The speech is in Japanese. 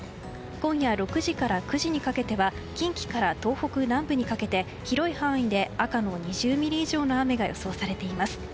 今夜６時から９時にかけては近畿から東北南部にかけて広い範囲で赤の２０ミリ以上の雨が予想されています。